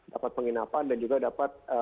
dapat penginapan dan juga dapat